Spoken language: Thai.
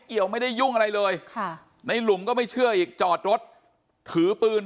เกี่ยวไม่ได้ยุ่งอะไรเลยค่ะในหลุมก็ไม่เชื่ออีกจอดรถถือปืน